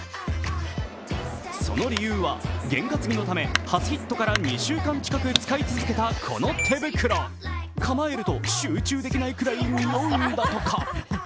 その理由は験担ぎのため初ヒットから使い続けたこの手袋構えると集中できないくらいにおうんだとか。